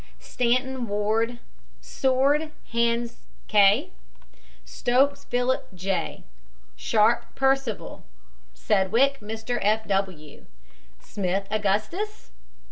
STANTON, WARD. SWORD, HANS K. STOKES, PHILIP J. SHARP, PERCIVAL. SEDGWICK, MR. F. W. SMITH, AUGUSTUS.